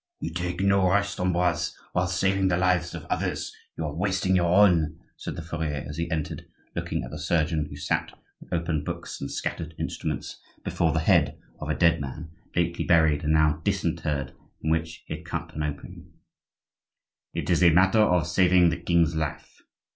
"You take no rest, Ambroise; while saving the lives of others you are wasting your own," said the furrier as he entered, looking at the surgeon, who sat, with opened books and scattered instruments, before the head of a dead man, lately buried and now disinterred, in which he had cut an opening. "It is a matter of saving the king's life."